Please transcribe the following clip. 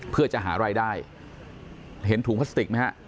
เพื่อจะหารายได้เห็นถุงพลาสติกไหมฮะ